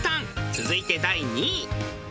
続いて第２位。